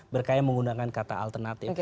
berkarya menggunakan kata alternatif